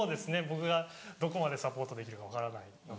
僕がどこまでサポートできるか分からないので。